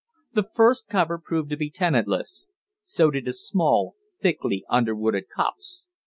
The first cover proved to be tenantless. So did a small, thickly underwooded copse.